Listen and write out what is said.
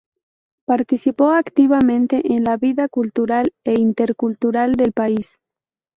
Participó activamente en la vida cultural e intelectual del país.